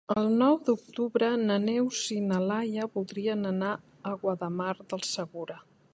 El nou d'octubre na Neus i na Laia voldrien anar a Guardamar del Segura.